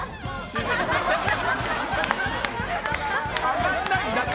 上がらないんだって！